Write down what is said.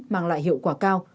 mang lại hiệu quả cao